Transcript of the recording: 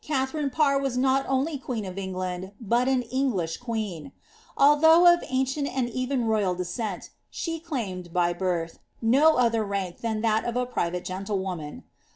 Katharine Parr was not only queen of England, bnl an English qneen. Allfaoogh of ancient anil even royal descent, she claimed] by birlh, no T rank ilian that of a piivaie geutlewoman.